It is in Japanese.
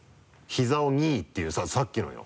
「ひざ」を「ニー」っていうさっきのよ。